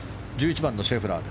１１番のシェフラー。